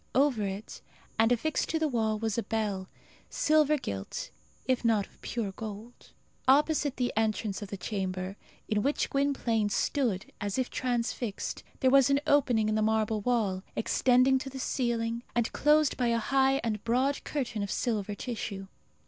Over it, and affixed to the wall, was a bell, silver gilt, if not of pure gold. Opposite the entrance of the chamber, in which Gwynplaine stood as if transfixed, there was an opening in the marble wall, extending to the ceiling, and closed by a high and broad curtain of silver tissue.